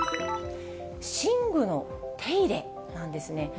寝具の手入れなんですね。